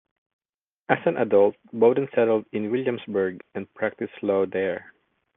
As an adult, Bowden settled in Williamsburg and practiced law there.